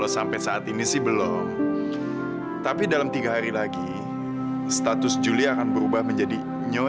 sampai jumpa di video selanjutnya